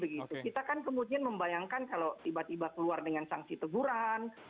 kita kan kemudian membayangkan kalau tiba tiba keluar dengan sanksi teguran